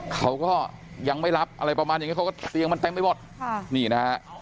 เขาก็ยังไม่รับอะไรประมาณอย่างนี้เขาก็เตียงมันเต็มไปหมดค่ะนี่นะฮะ